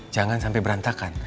jangan sampai berantakan